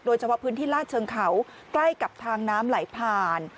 เฉพาะพื้นที่ลาดเชิงเขาใกล้กับทางน้ำไหลผ่าน